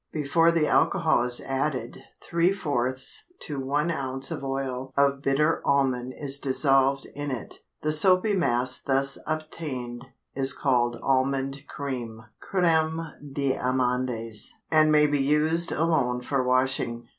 Before the alcohol is added three fourths to one ounce of oil of bitter almond is dissolved in it. The soapy mass thus obtained is called "almond cream" (crême d'amandes) and may be used alone for washing.